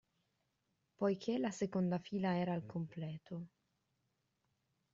Poiché la seconda fila era al completo.